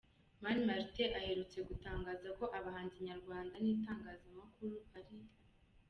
Mani Martin aherutse gutangaza ko abahanzi Nyarwanda n’itangazamakuru ari